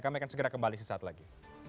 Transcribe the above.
kami akan segera kembali sesaat lagi